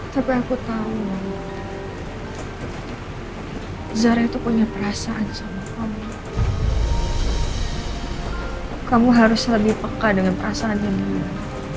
tapi aku tahu zara itu punya perasaan sama kamu kamu harus lebih peka dengan perasaan yang dia punya